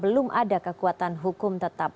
belum ada kekuatan hukum tetap